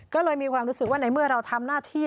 ก็เลยมีความรู้สึกว่าในเมื่อเราทำหน้าที่